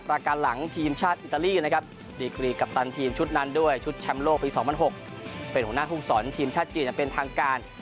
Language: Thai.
การหลังทีมชาติอิตาลีนะครับดีกรีกัปตันทีมชุดนั้นด้วยชุดแชมป์โลกปี๒๐๐๖เป็นหัวหน้าภูมิสอนทีมชาติจีนอย่างเป็นทางการ